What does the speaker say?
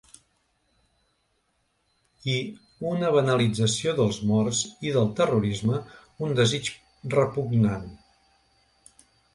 I ‘una banalització dels morts i del terrorisme, un desig repugnant’.